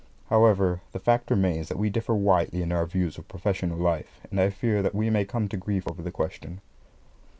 However, the fact remains that we differ widely in our views of professional life, and I fear that we may come to grief over the question.